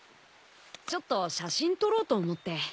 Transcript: ちょっと写真撮ろうと思って。